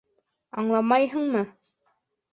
Аңламайһыңмы?